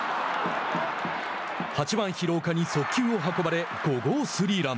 ８番、廣岡に速球を運ばれ５号スリーラン。